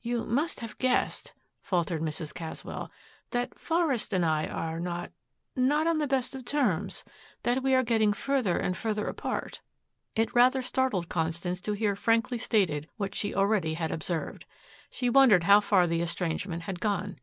"You must have guessed," faltered Mrs. Caswell, "that Forest and I are not not on the best of terms, that we are getting further and further apart." It rather startled Constance to hear frankly stated what she already had observed. She wondered how far the estrangement had gone.